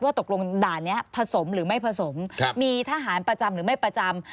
ตกลงด่านนี้ผสมหรือไม่ผสมมีทหารประจำหรือไม่ประจำ